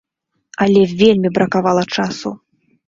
Але вельмі бракавала часу!